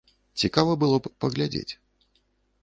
Цікава было б паглядзець.